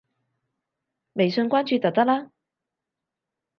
微信關注就得啦